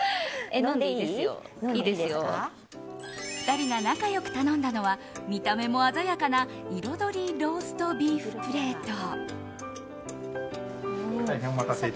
２人が仲良く頼んだのは見た目も鮮やかな彩りローストビーフプレート。